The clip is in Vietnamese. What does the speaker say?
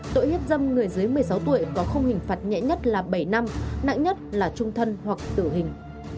tội hiếp dâm người dưới một mươi sáu tuổi có khung hình phạt nhẹ nhất là bảy năm nặng nhất là trung thân hoặc tử hình